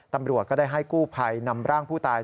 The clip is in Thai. ตำรวจก็ได้ให้กู้ภัยนำร่างผู้ตาย